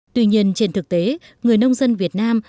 tuy nhiên trên thực tế người nông dân việt nam